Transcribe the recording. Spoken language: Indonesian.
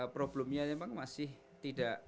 problemnya emang masih tidak